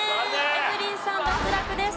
エブリンさん脱落です。